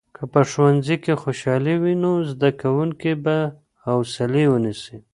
که په ښوونځي کې خوشالي وي، نو زده کوونکي به حوصلې ونیسي.